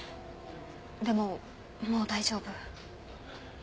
でももう大丈夫。